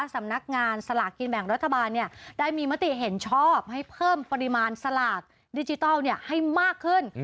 สำนักงานสลากกินแบ่งรัฐบาลได้มีมติเห็นชอบให้เพิ่มปริมาณสลากดิจิทัลให้มากขึ้น